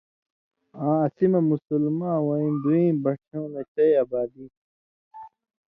آں اسی مہ مسلماں وَیں دُوئیں بٹھیُوں نہ چئ آبادی تھی،